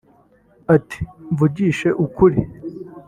Ati “Mvugishije ukuri